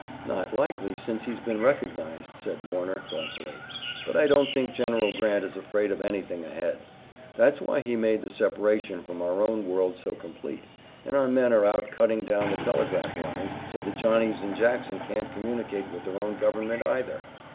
"Not likely since he's been recognized," said Warner, thoughtfully. "But I don't think General Grant is afraid of anything ahead. That's why he made the separation from our own world so complete, and our men are out cutting down the telegraph lines, so the Johnnies in Jackson can't communicate with their own government either.